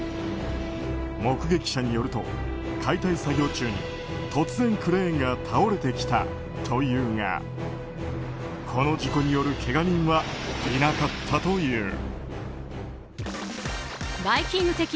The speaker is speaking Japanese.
目撃者によると、解体作業中に突然クレーンが倒れてきたというがこの事故によるけが人はいなかったという。